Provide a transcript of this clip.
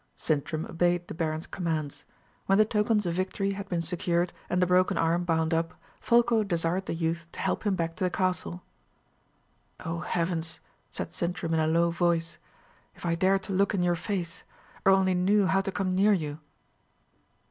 Sintram obeyed the baron's commands. When the tokens of victory had been secured, and the broken arm bound up, Folko desired the youth to help him back to the castle. "O Heavens!" said Sintram in a low voice, "if I dared to look in your face! or only knew how to come near you!"